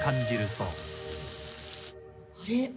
あれ？